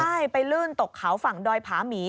ใช่ไปลื่นตกเขาฝั่งดอยผาหมี